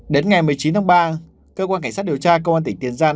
đến ngày một mươi chín tháng ba cơ quan cảnh sát điều tra công an tỉnh tiền giang